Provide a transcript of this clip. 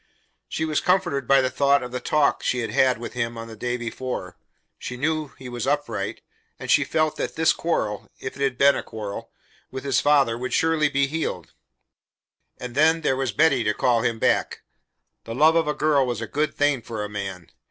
She was comforted by the thought of the talk she had had with him the day before. She knew he was upright, and she felt that this quarrel if it had been a quarrel with his father would surely be healed; and then, there was Betty to call him back. The love of a girl was a good thing for a man.